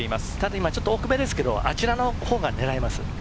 今、奥めですけど、あちらのほうが狙えます。